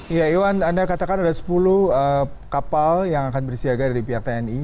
iya iwan anda katakan ada sepuluh kapal yang akan bersiaga dari pihak tni